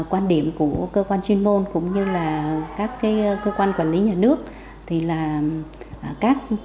quan điểm của cơ quan chuyên môn cũng như là các cái cơ quan quản lý nhà nước thì là các không có tái canh lại cái diện tích tiêu trên cái diện tích tiêu